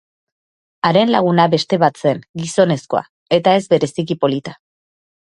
Haren laguna beste bat zen, gizonezkoa, eta ez bereziki polita.